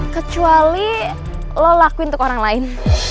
kecuali lo lakuin untuk orang lain